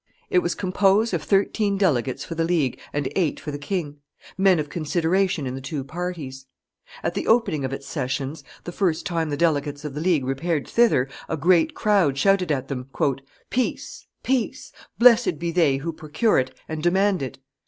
It was composed of thirteen delegates for the League and eight for the king, men of consideration in the two parties. At the opening of its sessions, the first time the delegates of the League repaired thither, a great crowd shouted at them, "Peace! Peace! Blessed be they who procure it and demand it!